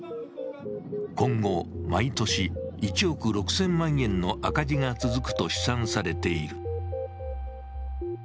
今後、毎年１億６０００万円の赤字が続くと試算されている。